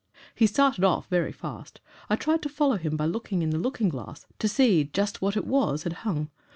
"He started off very fast. I tried to follow him by looking in the looking glass, to see just what it was had hung.